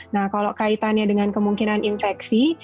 nah kalau kaitannya dengan kemungkinan infeksi